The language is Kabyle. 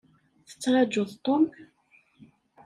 Tettrajuḍ Tom?